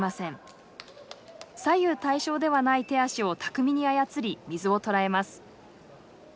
左右対称ではない手足を巧みに操り水を捉えます。